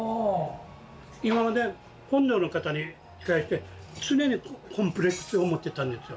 今まで本土の方に対して常にコンプレックスを持ってたんですよ。